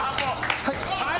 はい。